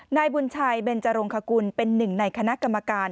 นายบุญชัยเบนจรงคกุลเป็นหนึ่งในคณะกรรมการ